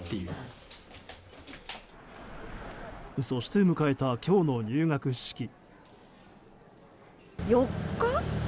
そして迎えた今日の入学式。